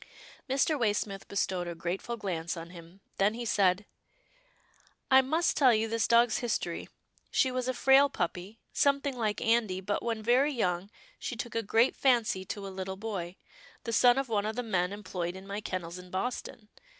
Mr. Waysmith bestowed a grateful glance on him, then he said, " I must tell you this dog's his tory. She was a frail puppy, something like Andy, but when very young she took a great fancy to a little boy, the son of one of the men employed in my kennels in Boston.